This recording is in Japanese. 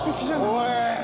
おい！